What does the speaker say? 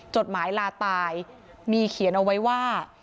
จดหมายลาตายมีเขียนเอาไว้ว่า